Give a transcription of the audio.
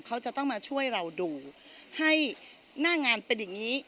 เขาจะต้องมาช่วยเราดูให้หน้างานเป็นอย่างนี้